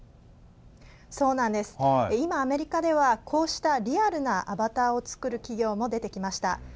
今、アメリカではこうしたリアルなアバターを作る企業も出てきました。